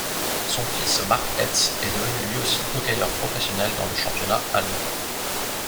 Son fils Mark Etz est devenu lui aussi hockeyeur professionnel dans le championnat allemand.